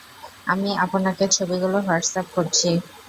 আমি আপনাকে ছবিগুলো হোয়াটস অ্যাপ করছি।